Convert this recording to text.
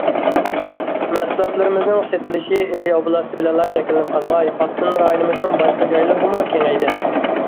مەھسۇلاتلىرىمىزنىڭ سېتىلىشى ئىلى ئوبلاستى بىلەنلا چەكلىنىپ قالماي، ئاپتونوم رايونىمىزنىڭ باشقا جايلىرىغىمۇ كېڭەيدى.